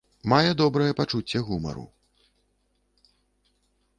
Мае добрае пачуцце гумару.